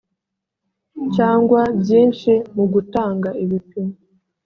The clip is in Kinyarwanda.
cyangwa byinshi mu gutanga ibipimo